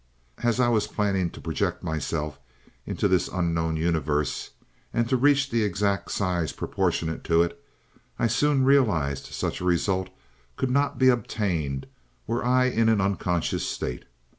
"As I was planning to project myself into this unknown universe and to reach the exact size proportionate to it, I soon realized such a result could not be obtained were I in an unconscious state.